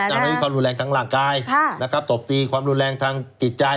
สามคือความรุนแรงทางหลังกายตบตีเช่นความรุนแรงทางติดใจ